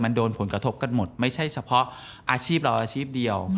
มันโดนผลกระทบกันหมดไม่ใช่เฉพาะอาชีพเราอาชีพเดียว